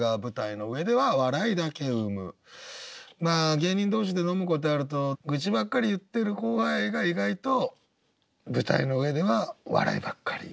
芸人同士で飲むことあると愚痴ばっかり言ってる後輩が意外と舞台の上ではお笑いばっかり。